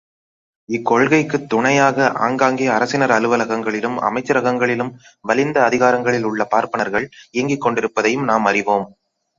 இக்கொள்கைக்குத் துணையாக, ஆங்காங்கே அரசினர் அலுவலகங்களிலும், அமைச்சரகங்களிலும் வலிந்த அதிகாரங்களில் உள்ள பார்ப்பனர்கள் இயங்கிக் கொண்டிருப்பதையும் நாம் அறிவோம்.